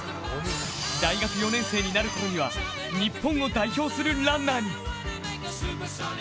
大学４年生になるころには日本を代表するランナーに。